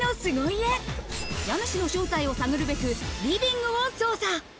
家主の正体を探るべくリビングを捜査。